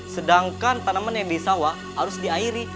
sedangkan tanaman yang di sawah harus diairi